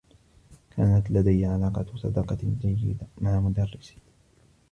كانت لديّ علاقة صداقة جيّدة مع مدرّسي.